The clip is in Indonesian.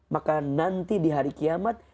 maka nanti di hari kiamat